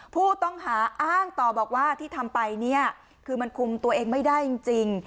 ผู้ต้องหาอ้างต่อบอกว่าที่ทำไปเนี่ยคือมันคุมตัวเองไม่ได้จริง